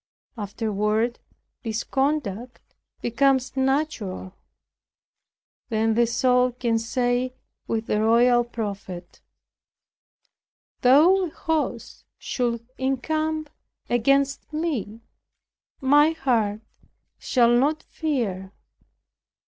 Afterward this conduct becomes natural; then the soul can say with the royal prophet, "Though an host should encamp against me, my heart shall not fear.